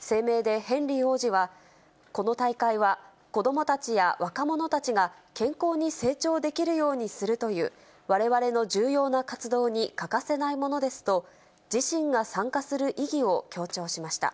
声明でヘンリー王子は、この大会は子どもたちや若者たちが健康に成長できるようにするという、われわれの重要な活動に欠かせないものですと、自身が参加する意義を強調しました。